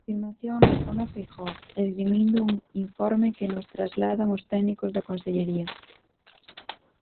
A afirmación lanzouna Feijóo esgrimindo un "informe que nos trasladan os técnicos da consellería".